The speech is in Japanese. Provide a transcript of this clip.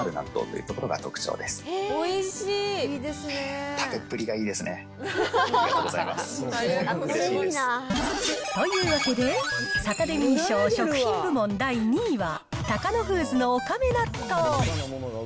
うれしいです。というわけで、サタデミー賞食品部門第２位は、タカノフーズのおかめ納豆。